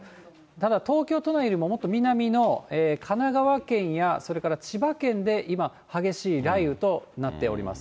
ただ、東京都内よりももっと南の神奈川県や、それから千葉県で今、激しい雷雨となっております。